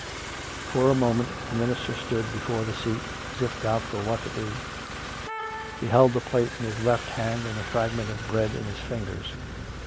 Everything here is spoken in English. For a moment the minister stood before the seat, as if doubtful what to do. He held the plate in his left hand and a fragment of bread in his fingers.